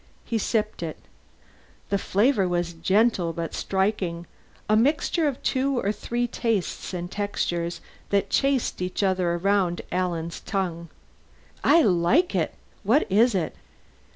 He sipped it. The flavor was gentle but striking, a mixture of two or three tastes and textures that chased each other round Alan's tongue. "I like it. What is it?"